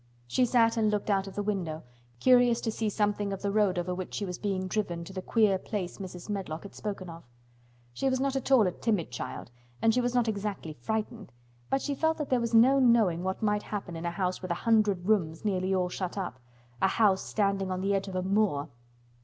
She sat and looked out of the window, curious to see something of the road over which she was being driven to the queer place Mrs. Medlock had spoken of. She was not at all a timid child and she was not exactly frightened, but she felt that there was no knowing what might happen in a house with a hundred rooms nearly all shut up—a house standing on the edge of a moor.